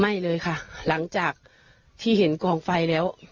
ไม่เลยค่ะหลังจากที่เห็นเบาะแสแล้ว